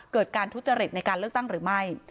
การทุจริตในการเลือกตั้งหรือไม่